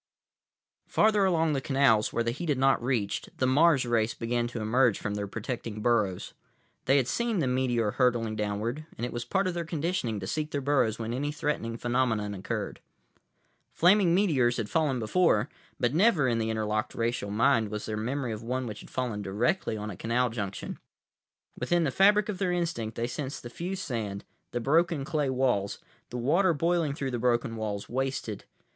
———— Farther along the canals, where the heat had not reached, the Mars race began to emerge from their protecting burrows. They had seen the meteor hurtling downward, and it was part of their conditioning to seek their burrows when any threatening phenomenon occurred. Flaming meteors had fallen before, but never in the interlocked racial mind was there memory of one which had fallen directly on a canal junction. Within the fabric of their instinct, they sensed the fused sand, the broken clay walls, the water boiling through the broken walls, wasted.